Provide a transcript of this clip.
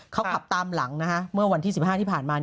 เขาขับตามหลังเมื่อวันที่๑๕ที่ผ่านมา